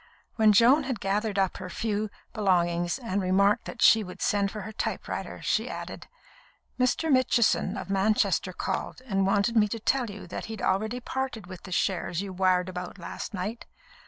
When Joan had gathered up her few belongings, and remarked that she would send for her typewriter, she added: "Mr. Mitchison, of Manchester, called, and wanted me to tell you that he'd already parted with the shares you wired about last night.